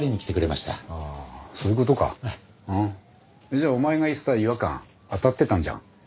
じゃあお前が言ってた違和感当たってたんじゃん。